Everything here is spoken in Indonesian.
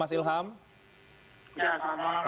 ya selamat malam